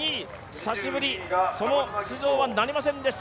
久しぶり、その出場はなりませんでした。